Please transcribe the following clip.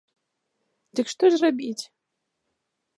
Дык што ж рабіць?